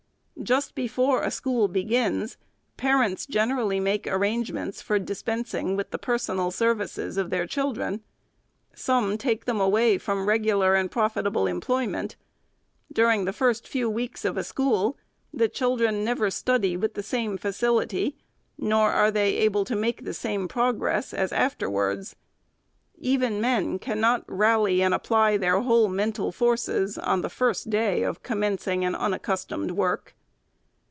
Just before a school begins, parents generally make arrange ments for dispensing with the personal services of their FIRST ANNUAL REPORT. 393 children. Some take them away from regular and profit able employments. During the first few weeks of a school, the children never study with the same facility, nor arc they able to make the same progress, as afterwards. Even men cannot rally and apply their whole mental forces, on the first day of commencing an unaccustomed work.